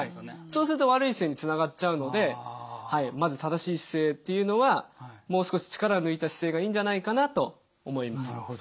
そうすると悪い姿勢につながっちゃうのでまず正しい姿勢っていうのはもう少し力を抜いた姿勢がいいんじゃないかなと思います。